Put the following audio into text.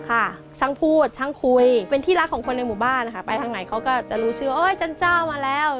ค่ะช่างพูดชั้นพูดเหมือนที่รักของคนในหมู่บ้านอาจจะอย่ามาแล้วคน